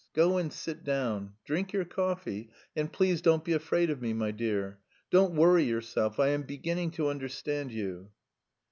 Go and sit down, drink your coffee, and please don't be afraid of me, my dear, don't worry yourself. I am beginning to understand you."